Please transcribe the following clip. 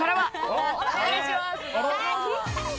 お願いします。